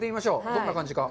どんな感じか。